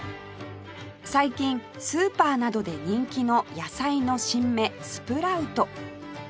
最近スーパーなどで人気の野菜の新芽スプラウト